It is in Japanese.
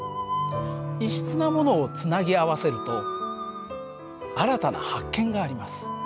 異質なものをつなぎ合わせると新たな発見があります。